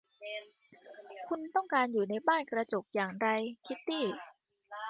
คุณต้องการอยู่ในบ้านกระจกอย่างไร คิตตี้